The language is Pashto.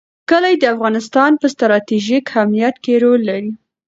کلي د افغانستان په ستراتیژیک اهمیت کې رول لري.